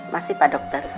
masih pak dokter